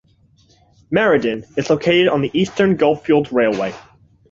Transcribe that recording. Merredin is located on the Eastern Goldfields Railway.